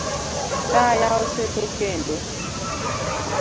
Taya osetho kendo?